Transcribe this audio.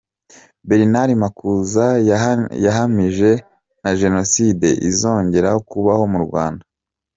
Bernard Makuza yahamije nta Jenoside izongera kubaho mu Rwanda.